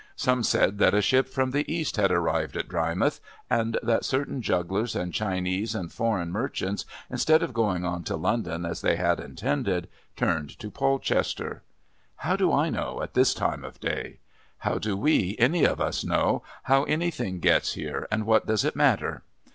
Some said that a ship from the East had arrived at Drymouth, and that certain jugglers and Chinese and foreign merchants, instead of going on to London as they had intended, turned to Polchester. How do I know at this time of day? How do we, any of us, know how anything gets here, and what does it matter?